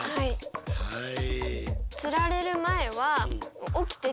はい。